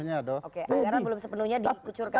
anggaran belum sepenuhnya dikucurkan